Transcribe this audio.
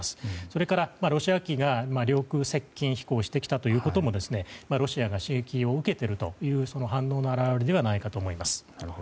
それから、ロシア機が領空接近飛行してきたこともロシアが刺激を受けているという反応の表れではないかと思います。